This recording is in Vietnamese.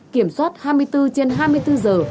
kiểm soát hai mươi bốn trên hai mươi bốn giờ